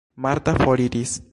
Marta foriris.